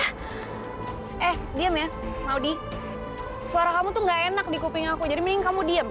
hai eh diem ya mau di suara kamu tuh enggak enak di kuping aku jadi mending kamu diem